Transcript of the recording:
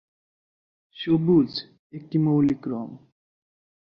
সবুজ একটি মৌলিক রঙ।